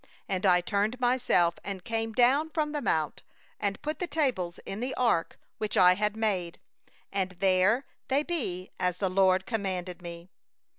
5And I turned and came down from the mount, and put the tables in the ark which I had made; and there they are, as the LORD commanded me.